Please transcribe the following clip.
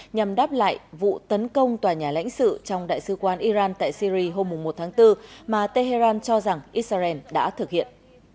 nhằm đáp lại vụ tấn công tòa nhà lãnh sự trong đại sứ quán iran tại syri hôm một tháng bốn mà tehran cho rằng israel đã thực hiện